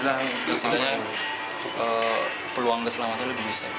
sebenarnya peluang keselamatan lebih besar